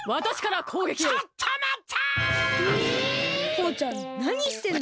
とうちゃんなにしてんの！？